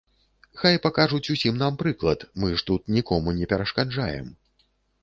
Хай пакажуць усім нам прыклад, мы ж тут нікому не перашкаджаем.